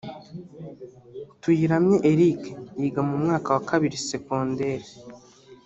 Tuyiramye Eric(yiga mu mwaka wa kabiri secondaire